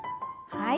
はい。